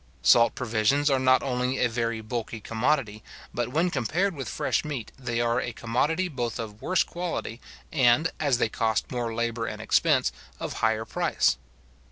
Salt provisions are not only a very bulky commodity, but when compared with fresh meat they are a commodity both of worse quality, and, as they cost more labour and expense, of higher price.